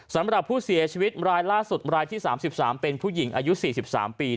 สำหรับผู้เสียชีวิตรายล่าสุดรายที่๓๓เป็นผู้หญิงอายุ๔๓ปี